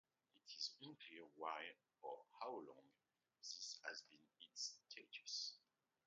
It is unclear why or how long this has been its status.